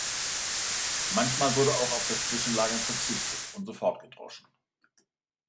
Manchmal wurde auch auf das Zwischenlagern verzichtet und sofort gedroschen.